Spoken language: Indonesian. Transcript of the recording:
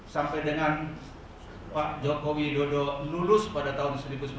sampai dengan pak jombogidodo lulus pada tahun seribu sembilan ratus delapan puluh lima